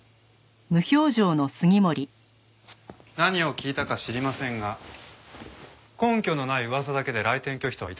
何を聞いたか知りませんが根拠のない噂だけで来店拒否とは頂けません。